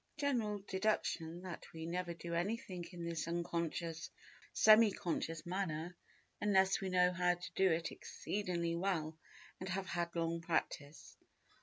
General deduction that we never do anything in this unconscious or semi conscious manner unless we know how to do it exceedingly well and have had long practice.